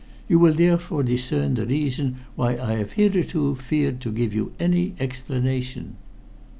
You will therefore discern the reason why I have hitherto feared to give you any explanation."